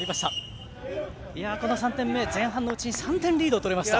この３点目、前半のうちに３点リードを取れました。